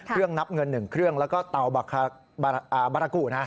นับเงิน๑เครื่องแล้วก็เตาบารากุนะ